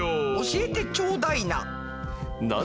教えてちょうだいな。